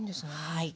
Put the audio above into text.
はい。